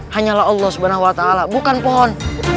hanyalah allah swt bukan pohon